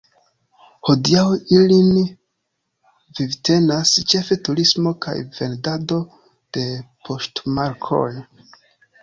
Hodiaŭ ilin vivtenas ĉefe turismo kaj vendado de poŝtmarkoj.